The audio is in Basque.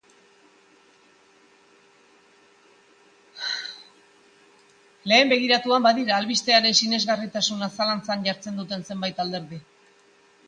Lehen begiratuan, badira albisteren sinesgarritasuna zalantzan jartzen duten zenbait alderdi.